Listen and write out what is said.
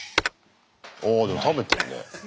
おでも食べてるね。